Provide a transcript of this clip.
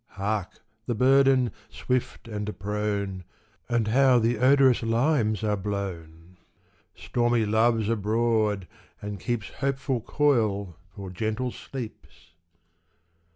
Hark! the burthen, swift and prone! And how the odorous limes are blown! Stormy Love's abroad, and keeps Hopeful coil for gentle sleeps.